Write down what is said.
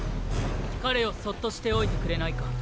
彼をそっとしておいてくれないか。